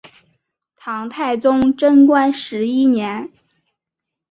唐太宗贞观十一年。